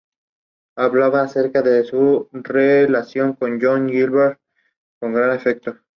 A pesar de ello, Daniil mostró un excelente nivel, especialmente en el aspecto mental.